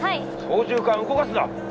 操縦かん動かすな！